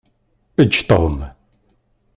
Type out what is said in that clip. Eǧǧ Tom.